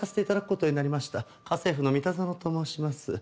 家政夫の三田園と申します。